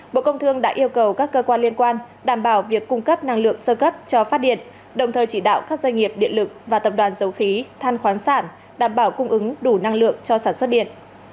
bộ công thương đã yêu cầu các cơ quan liên quan đảm bảo việc cung cấp năng lượng sơ cấp cho phát điện đồng thời chỉ đạo các doanh nghiệp điện lực và tập đoàn dầu khí than khoáng sản đảm bảo cung ứng đủ năng lượng cho sản xuất điện